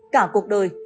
cả cuộc đời